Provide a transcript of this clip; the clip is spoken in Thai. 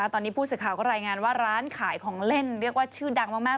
ตอนนี้ผู้สื่อข่าวก็รายงานว่าร้านขายของเล่นเรียกว่าชื่อดังมาก